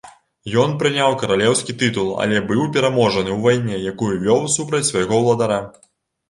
Ён прыняў каралеўскі тытул, але быў пераможаны ў вайне, якую вёў супраць свайго ўладара.